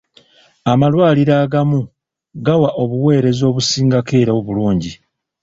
Amalwaliro agamu gawa obuweereza obusingako era obulungi.